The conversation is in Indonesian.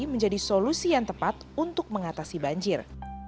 menjadi solusi yang tepat untuk mengatasi banjir